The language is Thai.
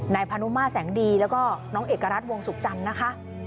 พานุมาแสงดีแล้วก็น้องเอกรัฐวงศุกร์จันทร์นะคะ